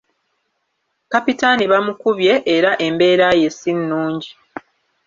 Kapitaani bamukubye era embeera ye si nnungi.